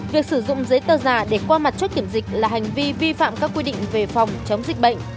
việc sử dụng giấy tờ giả để qua mặt chốt kiểm dịch là hành vi vi phạm các quy định về phòng chống dịch bệnh